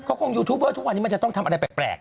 เขาคงยูทูบเบอร์ทุกวันนี้มันจะต้องทำอะไรแปลก